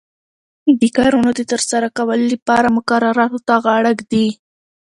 د کارونو د ترسره کولو لپاره مقرراتو ته غاړه ږدي.